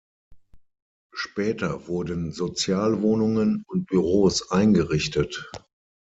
Später wurden Sozialwohnungen und Büros eingerichtet.